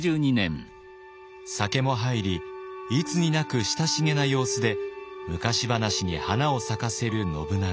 酒も入りいつになく親しげな様子で昔話に花を咲かせる信長。